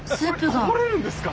こぼれるんですか？